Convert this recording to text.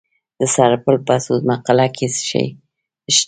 د سرپل په سوزمه قلعه کې څه شی شته؟